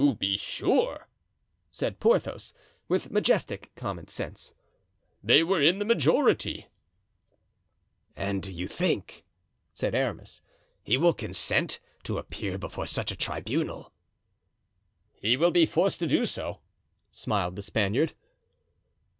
"To be sure," said Porthos, with majestic common sense; "they were in the majority." "And you think," said Aramis, "he will consent to appear before such a tribunal?" "He will be forced to do so," smiled the Spaniard.